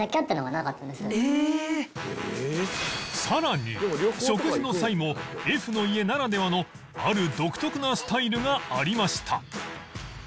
さらに食事の際も Ｆ の家ならではのある独特なスタイルがありました